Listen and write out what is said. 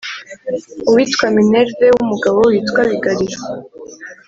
uwitwa Minerve w’umugabo witwa Bigariro,